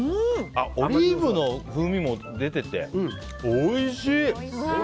オリーブの風味も出てておいしい。